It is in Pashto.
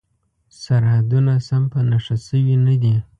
سرحدونه سم په نښه شوي نه دي.